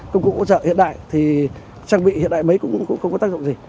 công cụ ủng hộ hiện đại thì trang bị hiện đại mấy cũng không có tác dụng gì